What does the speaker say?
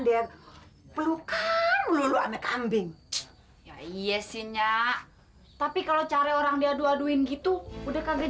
dia pelukan melulu aneh kambing iya sinyak tapi kalau cari orang diadu aduin gitu udah kagak